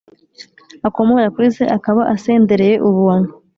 akomora kuri se, akaba asendereye ubuntu